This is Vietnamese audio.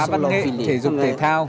văn nghệ thể dục thể thao